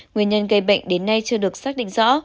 nguyên nhân gây bệnh đến nay chưa được xác định rõ